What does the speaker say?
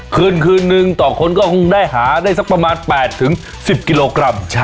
คืนคืนนึงต่อคนก็คงได้หาได้สักประมาณ๘๑๐กิโลกรัม